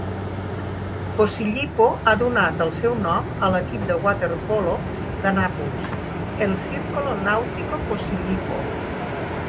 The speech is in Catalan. Posillipo ha donat el seu nom a l"equip de waterpolo de Nàpols, el Circolo Nautico Posillipo.